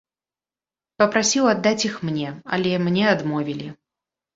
Папрасіў аддаць іх мне, але мне адмовілі.